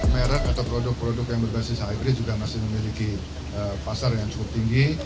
merek atau produk produk yang berbasis hybrid juga masih memiliki pasar yang cukup tinggi